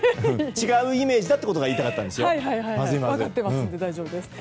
違うイメージだってことが言いたかったんですよ。